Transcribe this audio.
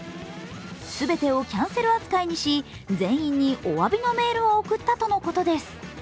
全てをキャンセル扱いにし全員におわびのメールを送ったとのことです。